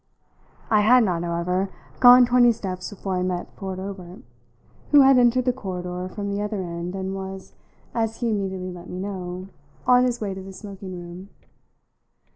I had not, however, gone twenty steps before I met Ford Obert, who had entered the corridor from the other end and was, as he immediately let me know, on his way to the smoking room.